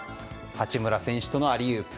八村選手とのアリウープ